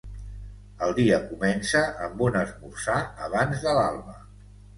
El dia comença amb un esmorzar abans de l’alba.